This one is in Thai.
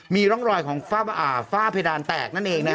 มีร้องรอยของฝ้าบาวฝ้าเพดานแตกนั่นเองนะคะ